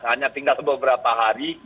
hanya tinggal beberapa hari